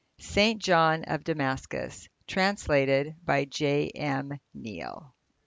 St. John of Damascus. Translated by J. M. Neale.